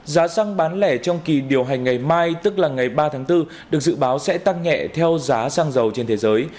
giá xăng bán lẻ trong kỳ điều hành ngày mai tức là ngày ba tháng bốn được dự báo sẽ tăng nhẹ theo giá xăng dầu trên thế giới